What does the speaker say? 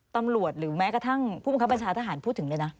ตำรวจหรือแม้กระทั่งผู้บัญชาทหารพูดถึงเลยนะ